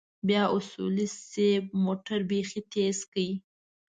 بيا اصولي صيب موټر بيخي تېز کړ.